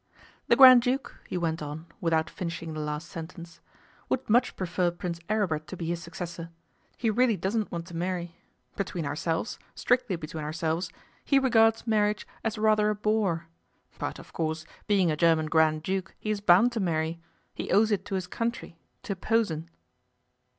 'The Grand Duke,' he went on, without finishing the last sentence, 'would much prefer Prince Aribert to be his successor. He really doesn't want to marry. Between ourselves, strictly between ourselves, he regards marriage as rather a bore. But, of course, being a German Grand Duke, he is bound to marry. He owes it to his country, to Posen.